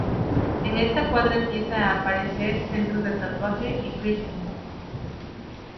En esta cuadra empiezan a aparecer centros de tatuaje y piercings.